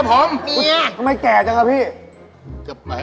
ทำไมแก่จังเอ่อพี่